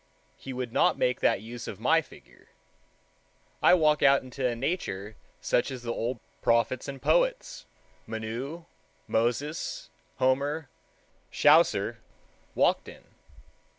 He would not make that use of my figure. I walk out into a nature such as the old prophets and poets, Menu, Moses, Homer, Chaucer, walked in.